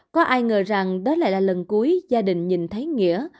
có ai ngờ rằng đó lại là lần cuối gia đình nhìn thấy nghĩa